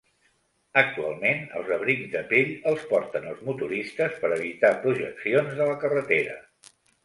Actualment, els abrics de pell els porten els motoristes per evitar projeccions de la carretera.